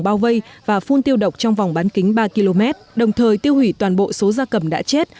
bao vây và phun tiêu độc trong vòng bán kính ba km đồng thời tiêu hủy toàn bộ số gia cầm đã chết